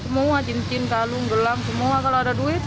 semua jintin kalung gelang semua kalau ada duit